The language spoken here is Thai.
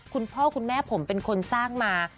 คุณพ่อคุณแม่ผมเป็นคนสร้างมา